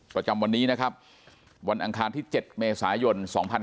ประจำวันนี้นะครับวันอังคารที่๗เมษายน๒๕๖๒